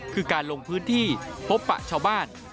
คือการลงพื้นที่พบปะชาวบ้าน